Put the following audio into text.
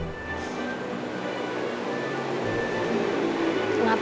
aku mau ke rumah